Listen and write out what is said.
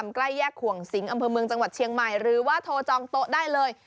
ใกล้แยกขวงสิงอำเภอเมืองจังหวัดเชียงใหม่หรือว่าโทรจองโต๊ะได้เลย